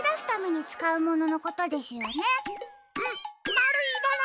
まるいもの！